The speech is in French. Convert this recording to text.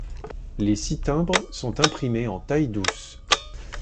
Les six timbres sont imprimés en taille-douce.